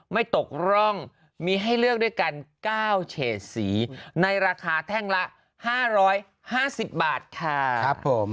ตกร่องมีให้เลือกด้วยกัน๙เฉดสีในราคาแท่งละ๕๕๐บาทค่ะครับผม